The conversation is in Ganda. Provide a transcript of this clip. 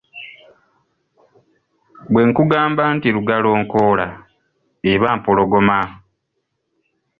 Bwe nkugamba nti Lugalonkoola, eba Mpologoma.